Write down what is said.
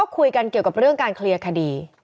คุยกันเกี่ยวกับเรื่องการเคลียร์คดี